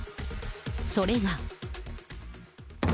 それが。